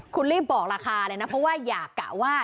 คุณรีบบอกราคาเลยนะเพราะว่าอยากกะว่า